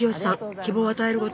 希望を与えること。